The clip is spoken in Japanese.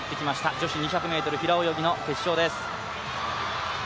女子２００ｍ平泳ぎの決勝です。